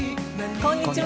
こんにちは。